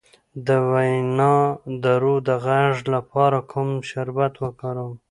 د وینادرو د غږ لپاره کوم شربت وکاروم؟